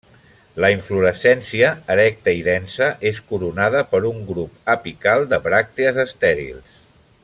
La inflorescència, erecta i densa, és coronada per un grup apical de bràctees estèrils.